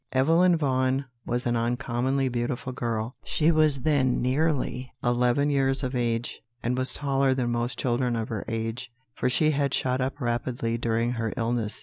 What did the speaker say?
"Evelyn Vaughan was an uncommonly beautiful girl; she was then nearly eleven years of age, and was taller than most children of her age, for she had shot up rapidly during her illness.